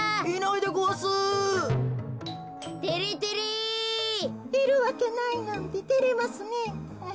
いるわけないなんててれますねえ。